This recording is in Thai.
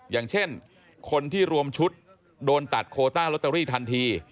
อย่างเช่นคนที่รวมชุดโดนตัดโคต้าลอตเตอรี่ทันที